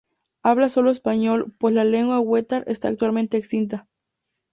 Hablan sólo español pues la lengua huetar está actualmente extinta.